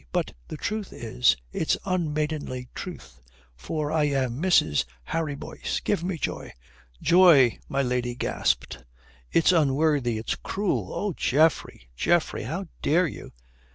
But the truth is, it's unmaidenly truth. For I am Mrs. Harry Boyce. Give me joy." "Joy!" my lady gasped. "It's unworthy! It's cruel! Oh, Geoffrey, Geoffrey! How dare you?"